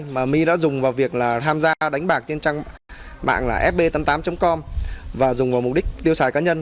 mà my đã dùng vào việc là tham gia đánh bạc trên trang mạng là fb tám mươi tám com và dùng vào mục đích tiêu xài cá nhân